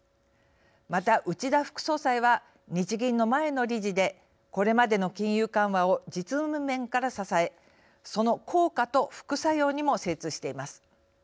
また内田副総裁は日銀の前の理事でこれまでの金融緩和を実務面から支えその効果と副作用にも精通しています。